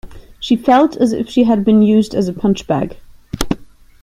She felt as if she had been used as a punchbag